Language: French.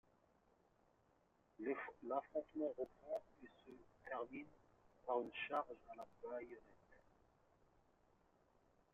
L'affrontement reprend et se termine par une charge à la baïonnette.